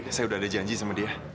saya udah ada janji sama dia